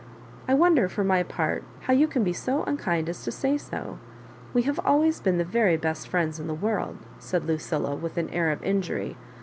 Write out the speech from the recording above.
I wonder, for my part, how you can be so unkind as to say so. We have always been the very best friends in the world," said Lucilla, with an air of injury.